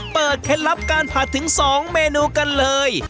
เคล็ดลับการผัดถึง๒เมนูกันเลย